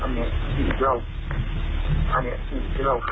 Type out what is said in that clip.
อันนี้อีกที่เราคิด